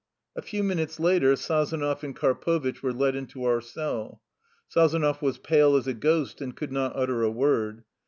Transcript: A few minutes later Sazonov and Karpovitch were led into our cell. Sazonov was pale as a ghost, and could not utter a word.